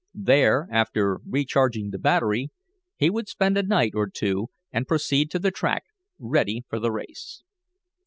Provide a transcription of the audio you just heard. There, after recharging the battery, he would spend a night, or two, and proceed to the track, ready for the race.